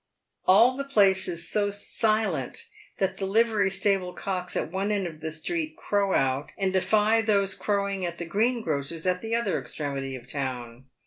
All the place is so silent that the livery stable cocks at one end of the street crow out and defy those crowing at the greengrocer's at the other extremity of the town.